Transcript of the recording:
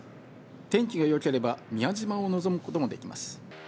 天気が良ければ宮島を望むこともできます。